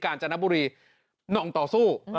กาญจารณบุรีน่องต่อสู้